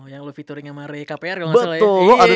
yang lu featuring sama rekap r kalau gak salah ya